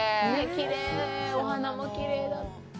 きれい、お花もきれいだ。